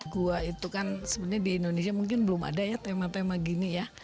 gua itu kan sebenarnya di indonesia mungkin belum ada ya tema tema gini ya